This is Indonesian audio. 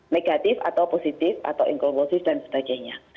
negatif atau positif atau inklusif dan sebagainya